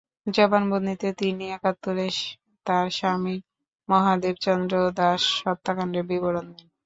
জবানবন্দিতে তিনি একাত্তরে তাঁর স্বামী মহাদেব চন্দ্র দাশ হত্যাকাণ্ডের বিবরণ দেন।